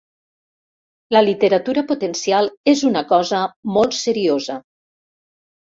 La literatura potencial és una cosa molt seriosa.